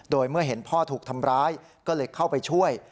โดยเมื่อเห็นพ่อถูกทำร้ายก็เลยเข้าไปช่วย